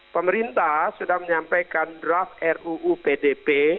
pemerintah sudah menyampaikan draft ruu pdp